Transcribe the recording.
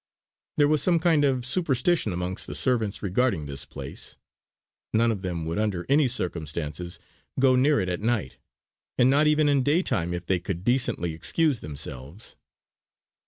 There was some kind of superstition amongst the servants regarding this place. None of them would under any circumstances go near it at night; and not even in daytime if they could decently excuse themselves.